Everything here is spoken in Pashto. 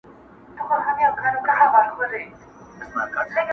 په کمال وه جوړه سوې ډېره کلکه,